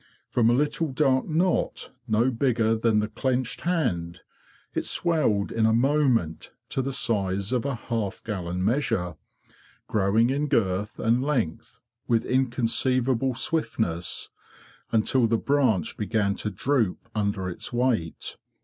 From a little dark knot no bigger than the clenched hand, it swelled in a moment to the size of a half gallon measure, growing in girth and length with inconceivable swiftness, until the branch began to droop under its weight.